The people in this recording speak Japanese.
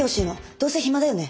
どうせ暇だよね？